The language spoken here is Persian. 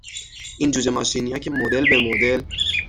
این جوجه ماشینیا که مدل به مدل